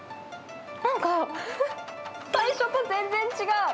なんか、最初と全然違う。